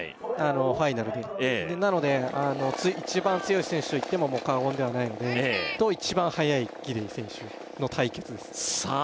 ファイナルでなので一番強い選手と言っても過言ではないのでと一番速いギデイ選手の対決ですさあ